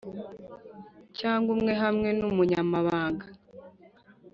cyangwa umwe hamwe n umunyamabanga